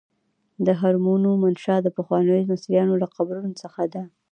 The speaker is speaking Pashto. د هرمونو منشا د پخوانیو مصریانو له قبرونو څخه ده.